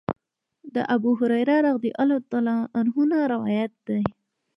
د ابوهريره رضی الله عنه نه روايت دی :